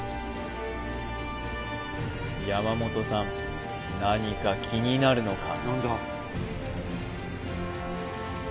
山本さん何か気になるのか？